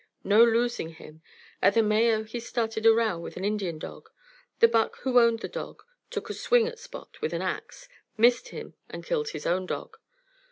No losing him. At the Mayo he started a row with an Indian dog. The buck who owned the dog took a swing at Spot with an ax, missed him, and killed his own dog.